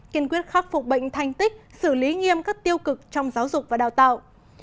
kiên quyết khắc phục bệnh thanh tích xử lý nghiêm các tiêu cực trong giáo dục và đào tạo